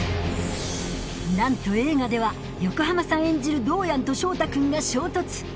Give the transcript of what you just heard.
なんと映画では横浜さん演じるどーやんと翔太君が衝突